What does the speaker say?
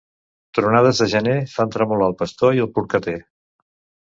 Tronades de gener fan tremolar el pastor i el porcater.